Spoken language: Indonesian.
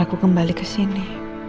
hai akhir aku kembali ke sini